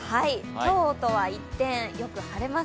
今日とは一転、よく晴れます。